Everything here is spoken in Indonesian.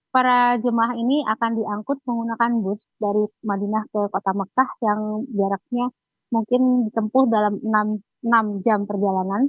para jemaah ini akan diangkut menggunakan bus dari madinah ke kota mekah yang jaraknya mungkin ditempuh dalam enam jam perjalanan